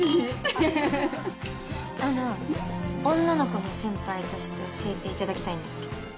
女の子の先輩として教えていただきたいんですけど。